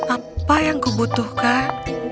apa yang kubutuhkan